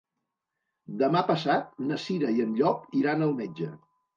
Demà passat na Cira i en Llop iran al metge.